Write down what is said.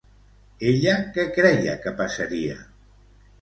Ella què creia que passaria?